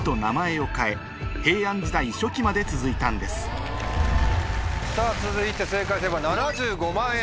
その後さぁ続いて正解すれば７５万円。